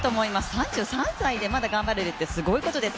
３３歳でまだ頑張れるって、すごいことです。